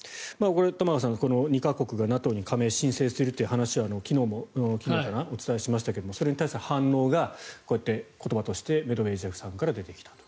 これ玉川さん、２か国がＮＡＴＯに加盟申請するという話昨日かな、お伝えしましたがそれに対する反応がこうやって言葉としてメドベージェフさんから出てきたと。